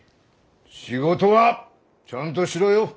仕事はちゃんとしろよ！